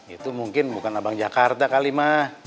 itu mungkin bukan abang jakarta kali ma